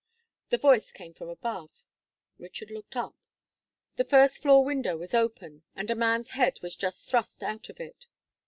The voice came from above. Richard looked up. The first floor window was open, and a man's head was just thrust out of it.